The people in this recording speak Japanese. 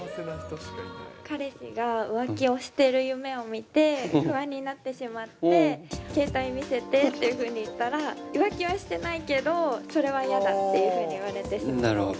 彼氏が浮気をしてる夢を見て、不安になってしまって、携帯見せてっていうふうに言ったら、浮気はしてないけど、それは嫌だっていうふうに言われてしまって。